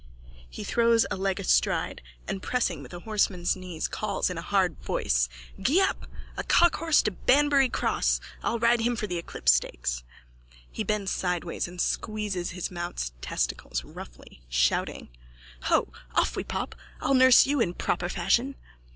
(He throws a leg astride and, pressing with horseman's knees, calls in a hard voice.) Gee up! A cockhorse to Banbury cross. I'll ride him for the Eclipse stakes. (He bends sideways and squeezes his mount's testicles roughly, shouting.) Ho! Off we pop! I'll nurse you in proper fashion.